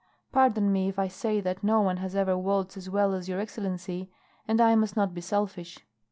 Pardon me if I say that no one has ever waltzed as well as your excellency, and I must not be selfish."